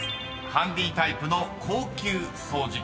ハンディータイプの高級掃除機］